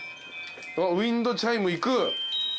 ウインドチャイムいく？